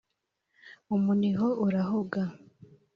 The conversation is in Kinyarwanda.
Umuniho urahoga